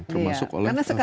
termasuk oleh fintech start up